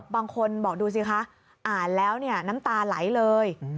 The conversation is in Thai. บางคนบอกดูสิคะอ่านแล้วน้ำตาไหลเลย